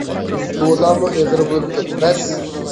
ئۇنچىۋالامۇ ئېغىر بولۇپ كەتمەس!